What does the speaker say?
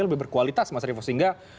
lebih berkualitas mas revo sehingga